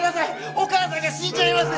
お義母さんが死んじゃいますよ！